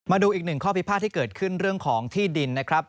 มาดูอีกหนึ่งข้อพิพาทที่เกิดขึ้นเรื่องของที่ดินนะครับ